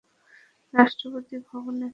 রাষ্ট্রপতি ভবনে, চলো।